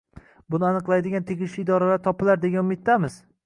Buni aniqlaydigan tegishli idoralar topilar, degan umiddamiz